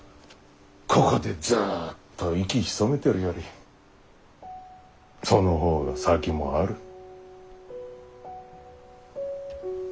ここでずっと息ひそめてるよりその方が先もある。